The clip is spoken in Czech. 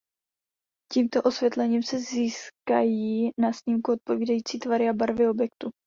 Tímto osvětlením se získají na snímku odpovídající tvary a barvy objektu.